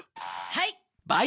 はい。